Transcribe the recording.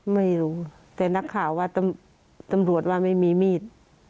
ไม่รู้แต่นักข่าวว่าตำรวจว่าไม่มีมีด